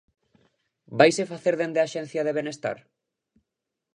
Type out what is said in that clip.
¿Vaise facer dende a Axencia de Benestar?